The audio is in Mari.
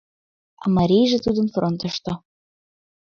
А марийже тудын — фронтышто.